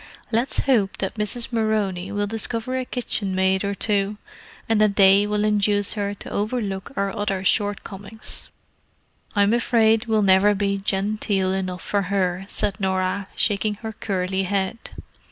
"Let's hope that Mrs. Moroney will discover a kitchenmaid or two, and that they will induce her to overlook our other shortcomings." "I'm afraid we'll never be genteel enough for her," said Norah, shaking her curly head.